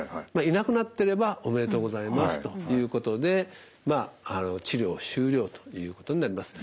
いなくなってればおめでとうございますということで治療終了ということになります。